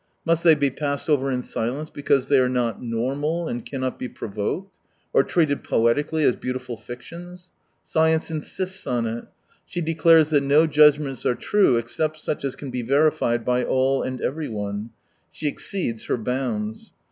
Must they be passed over in silence because they are not normal and cannot be provoked ?— or treated poetically, as beautiful fictions ? Science insists on it. She declares that no judgments are true except such as can be verified by all and everyone. She exceeds her bounds.